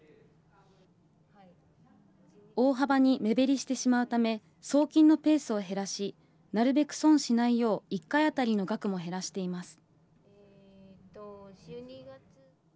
大幅に目減りしてしまうため、送金のペースを減らし、なるべく損しないよう、１回当たりの額も減らしています。